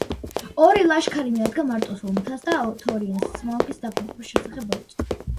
ორი ლაშქარი მიადგა მარტოსულ მთას და თორინს სმაუგის დაღუპვის შესახებ აუწყა.